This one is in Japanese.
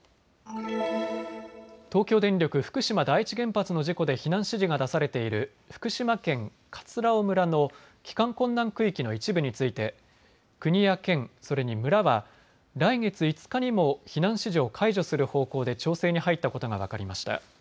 東京電力福島第一原発の事故で避難指示が出されている福島県葛尾村の帰還困難区域の一部について国や県、それに村は来月５日にも避難指示を解除する方向で調整に入ったことが分かりました。